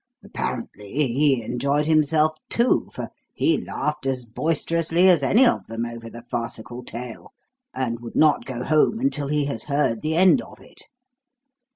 Apparently he enjoyed himself, too, for he laughed as boisterously as any of them over the farcical tale, and would not go home until he had heard the end of it.